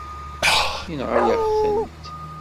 Yenɣa-yaɣ-tent.